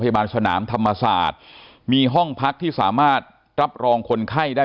สนามธรรมศาสตร์มีห้องพักที่สามารถรับรองคนไข้ได้